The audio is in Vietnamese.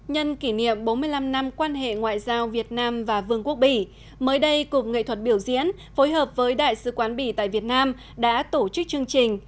nhân kỷ niệm bốn mươi năm năm quan hệ ngoại giao việt nam và vương quốc bỉ mới đây cục nghệ thuật biểu diễn phối hợp với đại sứ quán bỉ tại việt nam đã tổ chức chương trình